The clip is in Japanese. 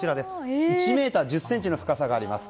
１ｍ１０ｃｍの深さがあります。